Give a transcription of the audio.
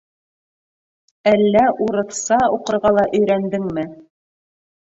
Әллә урыҫса уҡырға ла өйрәндеңме?